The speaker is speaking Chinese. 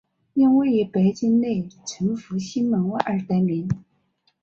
因位于北京内城复兴门外而得名。